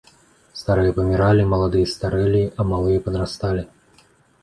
Старыя паміралі, маладыя старэлі, а малыя падрасталі.